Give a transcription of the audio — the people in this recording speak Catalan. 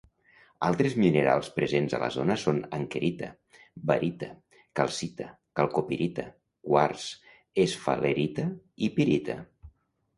Altres minerals presents a la zona són ankerita, barita, calcita, calcopirita, quars, esfalerita i pirita.